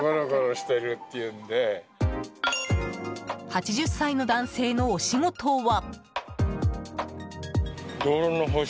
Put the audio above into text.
８０歳の男性のお仕事は。